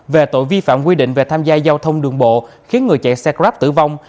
về tội vi phạm quy định về tham gia giao thông đường bộ khiến người chạy xe grab tử vong